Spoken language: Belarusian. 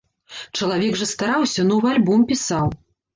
Чалавек жа стараўся, новы альбом пісаў?